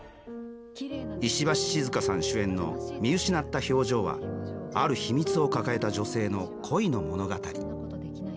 石橋静河さん主演の「見失った表情」はある秘密を抱えた女性の恋の物語。